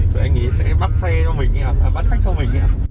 rồi anh ấy sẽ bắt khách cho mình ạ